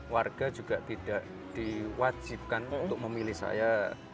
warga juga tidak diwajibkan untuk memilih saya